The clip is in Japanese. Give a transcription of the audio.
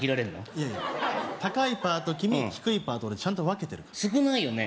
いやいや高いパート君低いパート俺ちゃんと分けてるから少ないよね